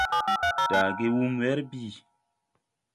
Daage wum wɛr bìi.